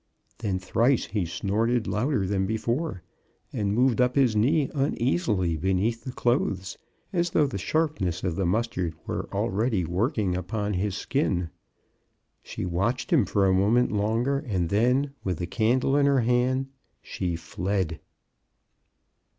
Then thrice he snorted louder than before, and moved up his knee un easily beneath the clothes as though the sharp ness of the mustard were already working MRS. brown's failure. 2/ upon his skin. She watched him for a mo ment longer, and then, with the candle in her hand, she fled.